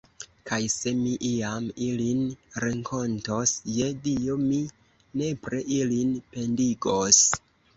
Kaj se mi iam ilin renkontos, je Dio, mi nepre ilin pendigos.